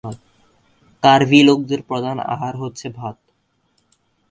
কার্বি লোকদের প্রধান আহার হচ্ছে ভাত।